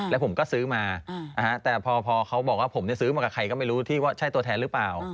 แล้วผมก็ซื้อมาแต่พอเขาบอกว่าผมซื้อมากับใครก็ไม่รู้ที่ว่าใช่ตัวแทนหรือเปล่า